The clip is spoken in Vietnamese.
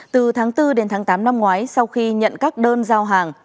từ tháng bốn đến tháng tám năm ngoái sau khi nhận các đơn giao hàng